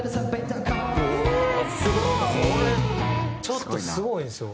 ちょっとスゴいんですよ。